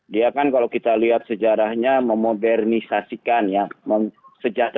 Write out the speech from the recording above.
dia kan kalau kita lihat sejarahnya memodernisasikan ya